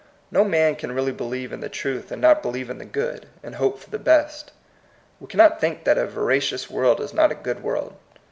No man can really believe in the truth, and not believe in the good, and hope for the best. We cannot think that a veracious world is not a good world.